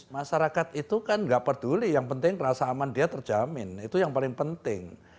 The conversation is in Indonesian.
masyarakat itu kan nggak peduli yang penting rasa aman dia terjamin itu yang paling penting